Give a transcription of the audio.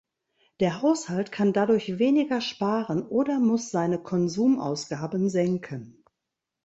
Der Haushalt kann dadurch weniger sparen oder muss seine Konsumausgaben senken.